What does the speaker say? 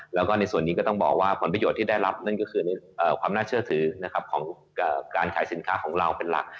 แล้วก็ในส่วนนี้ก็ต้องบอกว่าผลประโยชน์ที่ได้รับนั่นก็คือความน่าเชื่อถือนะครับของการขายสินค้าของเราเป็นหลัก